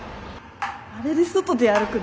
あれで外出歩くの？